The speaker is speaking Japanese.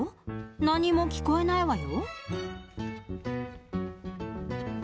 何も聞こえないわよ？